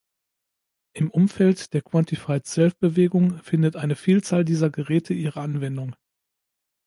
Im Umfeld der Quantified-Self-Bewegung findet eine Vielzahl dieser Geräte ihre Anwendung.